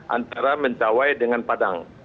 antara mentawai dengan padang